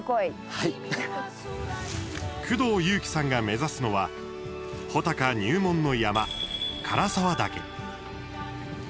工藤夕貴さんが目指すのは穂高入門の山涸沢岳。